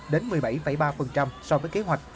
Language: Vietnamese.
đến một mươi bảy ba so với kế hoạch